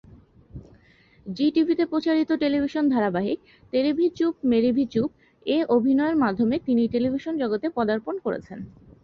জি টিভিতে প্রচারিত টেলিভিশন ধারাবাহিক "তেরি ভি চুপ মেরি ভি চুপ"-এ অভিনয়ের মাধ্যমে তিনি টেলিভিশন জগতে পদার্পণ করেছেন।